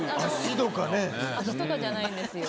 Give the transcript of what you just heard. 足とかじゃないんですよ。